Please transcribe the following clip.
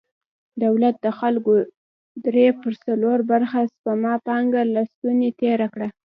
دولت د خلکو درې پر څلور برخه سپما پانګه له ستونې تېره کړه.